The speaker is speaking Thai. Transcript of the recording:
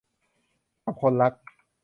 กับคนรัก